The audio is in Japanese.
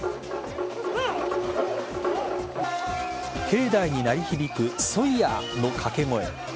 境内に鳴り響くソイヤの掛け声。